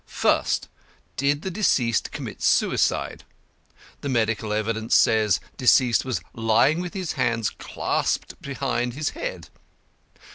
First, did the deceased commit suicide? The medical evidence says deceased was lying with his hands clasped behind his head.